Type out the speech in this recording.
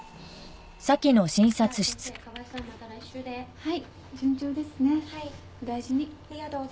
はい。